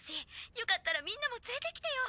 よかったらみんなも連れて来てよ！